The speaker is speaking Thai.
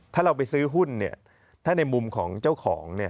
ถ้าเราไปซื้อหุ้นเนี่ยถ้าในมุมของเจ้าของเนี่ย